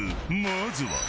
まずは。